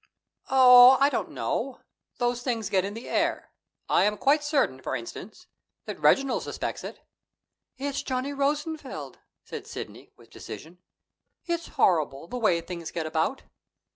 "Oh, I don't know. Those things get in the air. I am quite certain, for instance, that Reginald suspects it." "It's Johnny Rosenfeld," said Sidney, with decision. "It's horrible, the way things get about.